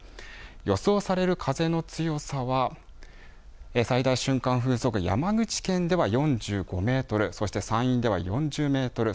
予想される風の強さは、最大瞬間風速山口県では４５メートル、そして山陰では４０メートル。